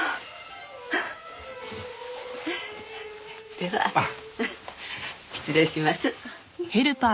では失礼します。